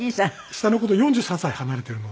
下の子と４３歳離れてるので。